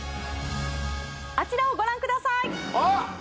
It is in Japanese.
あちらをご覧くださいあっ！